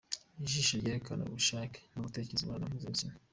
Ijisho ryerekana ubushake no gutekereza imibonano mpuzabitsina